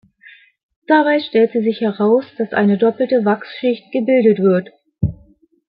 Dabei stellte sich heraus, dass eine doppelte Wachsschicht gebildet wird.